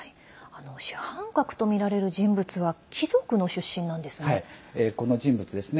主犯格とみられる人物は貴族の出身なんですね。